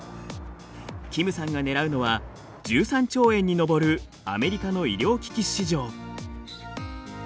キムさんが狙うのは１３兆円に上るアメリカの医療機器市場。